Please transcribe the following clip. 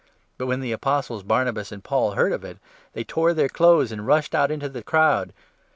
But, when the Apostles Barnabas and Paul 1,4 heard of it, they tore their clothes and rushed out into the crowd.